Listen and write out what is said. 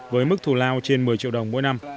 với mức thù lao trên một mươi triệu đồng mỗi năm